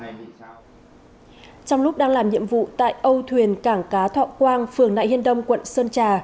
trong lúc đang làm nhiệm vụ tại âu thuyền cảng cá thọ quang phường nại hiên đông quận sơn trà